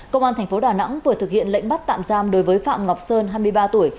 công an tp đà nẵng vừa thực hiện lệnh bắt tạm giam đối với phạm ngọc sơn hai mươi ba tuổi